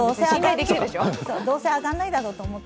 どうせ上がらないだろうと思って。